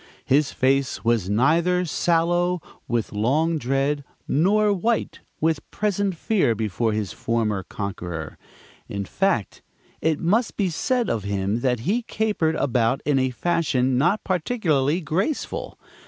His face was neither sallow with long dread, nor white with present fear before his former conqueror. In fact, it must be said of him that he capered about in a fashion not particularly graceful.